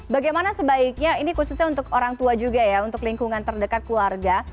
bagaimana sebaiknya ini khususnya untuk orang tua juga ya untuk lingkungan terdekat keluarga